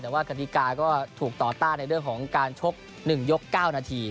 แต่ว่ากฎิกาก็ถูกต่อต้านในเรื่องของการชก๑ยก๙นาที